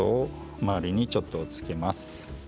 周りにちょっとつけます。